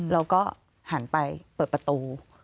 เราก็หันไปเปิดประตู